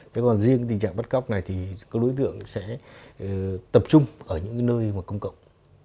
thế còn riêng tình trạng bắt cóc này thì các đối tượng sẽ tập trung ở những nơi mà công cộng